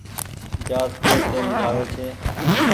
جهآز ڪي ٽيم جآوي ڇي۔